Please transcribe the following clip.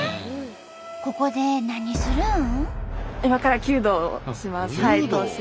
ここで何するん？